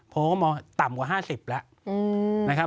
โพลมองว่าต่ำกว่า๕๐แล้ว